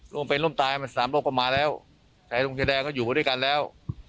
ร่วมเป็นร่วมตายมันสามโลกก็มาแล้วชายร่วมเทียดแดงก็อยู่ด้วยกันแล้ว